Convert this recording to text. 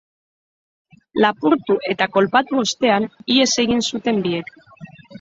Lapurtu eta kolpatu ostean, ihes egin zuten biek.